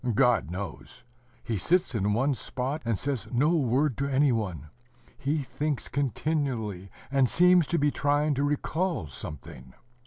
God knows. He sits in one spot, and says no word to any one: he thinks continually, and seems to be trying to recall something.